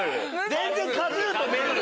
全然カズーとめるる。